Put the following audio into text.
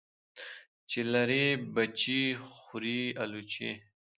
چی لری بچي خوري الوچی .